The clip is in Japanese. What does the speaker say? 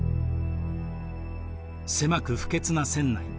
狭く不潔な船内。